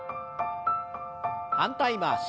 反対回し。